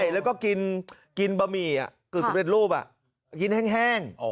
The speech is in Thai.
แล้วก็กินบะหมี่กึ่งสำเร็จรูปกินแห้ง